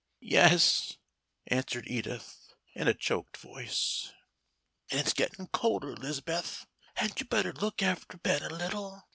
"Yes," answered Edith, in a choked voice. "And it's gettin' colder, 'Lis'beth. Hadn't you better look after Ben a little?